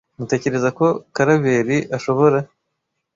Tmutekereza ko Karaveri ashobora